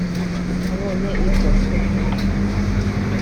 wabonye ibyo